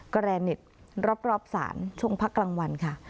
กระแนนิตรอบรอบศาลช่วงพักกลางวันค่ะ